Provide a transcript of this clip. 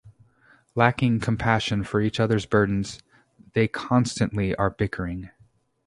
Lacking compassion for each other's burdens, they constantly are bickering.